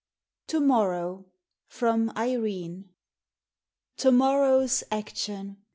TO MORROW. FROM "IRENE." To morrow's action